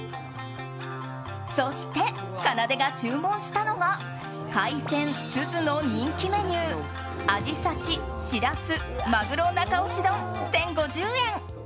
そして、かなでが注文したのが海鮮鈴の人気メニューあじ刺・しらす・マグロなかおち丼、１０５０円。